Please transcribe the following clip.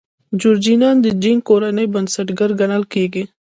جورچنیان د چینګ کورنۍ بنسټګر ګڼل کېدل.